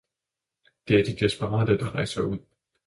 Det er de desperate, der rejser ud.